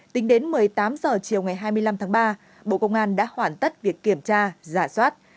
tính đến một mươi tám h chiều ngày hai mươi năm tháng ba bộ công an đã hoàn tất việc kiểm tra giả soát